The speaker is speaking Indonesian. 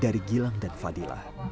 dari gilang dan fadila